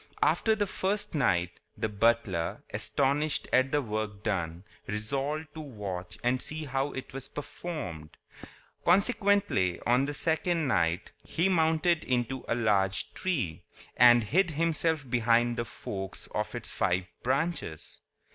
After the first night, the butler, astonished at the work done, resolved to watch and see how it was performed. Consequently, on the second night, he mounted into a large tree, and hid himself between the forks of its five branches.